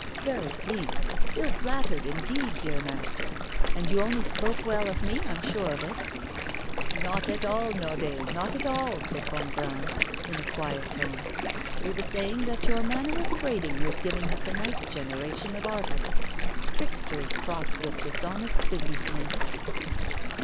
'Very pleased feel flattered, indeed, dear master. And you only spoke well of me, I'm sure of it.' 'Not at all, Naudet, not at all,' said Bongrand, in a quiet tone. 'We were saying that your manner of trading was giving us a nice generation of artists tricksters crossed with dishonest business men.